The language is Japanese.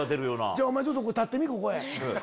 じゃあお前ちょっと立ってみここへ。